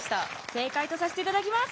正解とさせていただきます！